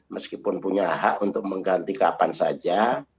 meskipun punya hak untuk mengganti kapan saja